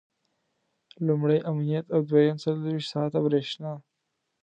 لومړی امنیت او دویم څلرویشت ساعته برېښنا.